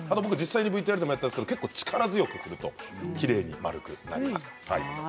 実際にＶＴＲでもやったんですが結構、力強く振るときれいに丸くなります。